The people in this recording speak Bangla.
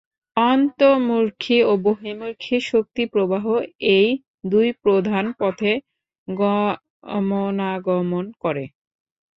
অন্তর্মুখী ও বহির্মুখী শক্তিপ্রবাহ এই দুই প্রধান পথে গমনাগমন করে।